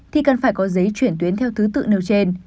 thì cần phải có giấy chuyển tuyến theo thứ tự nêu trên